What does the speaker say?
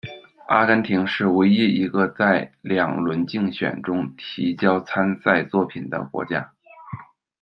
阿根廷是唯一一个在两轮竞选中提交参赛作品的国家。